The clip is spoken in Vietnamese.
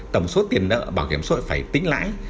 tổng số tiền nợ bảo hiểm xã hội phải tính lãi